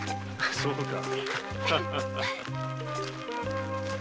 そうか。